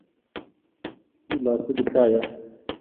Kilosu Kiptaiyat.